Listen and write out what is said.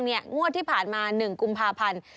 งวดที่ผ่านมา๑กุมภาพันธ์